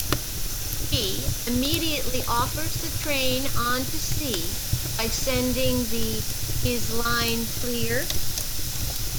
B immediately offers the train on to C by sending the Is Line Clear?